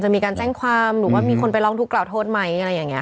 มีการแจ้งความหรือว่ามีคนไปร้องทุกขล่าโทษไหมอะไรอย่างนี้